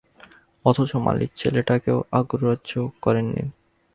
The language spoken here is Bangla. অথচ মালীর ছেলেটাকেও অগ্রাহ্য করেন নি।